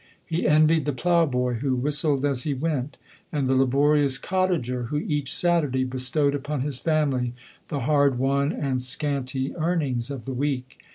He envied the ploughboy, who LODORE. 1)7 whistled as lie went ; and the laborious cottager, who each Saturday bestowed upon his family the hard won and scanty earnings of the week.